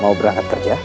mau berangkat kerja